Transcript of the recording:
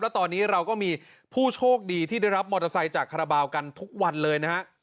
แล้วตอนนี้เราก็มีผู้โชคดีที่ได้รับมอเตอร์ไซค์จากคาราบาลกันทุกวันเลยนะฮะ